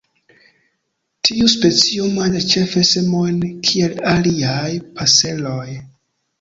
Tiu specio manĝas ĉefe semojn, kiel aliaj paseroj.